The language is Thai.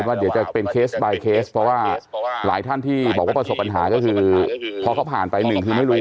แน่นหาคือเเคาะเพราะเขาผ่านไปหนึ่งคือไม่รู้